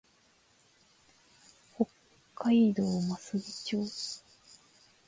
北海道増毛町